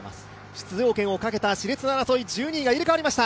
出場権をかけたし烈な争い、１２位が入れ代わりました。